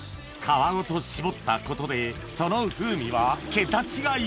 皮ごとしぼったことでその風味は桁違い！